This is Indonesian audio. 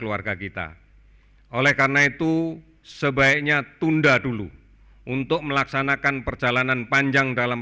keluarga kita oleh karena itu sebaiknya tunda dulu untuk melaksanakan perjalanan panjang dalam